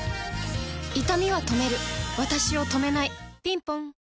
いたみは止めるわたしを止めないぴんぽん